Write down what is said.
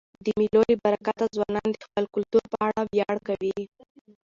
د مېلو له برکته ځوانان د خپل کلتور په اړه ویاړ کوي.